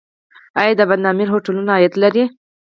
آیا د بند امیر هوټلونه عاید لري؟